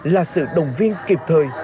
là sự đồng viên kịp thời